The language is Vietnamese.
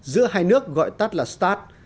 giữa hai nước gọi tắt là start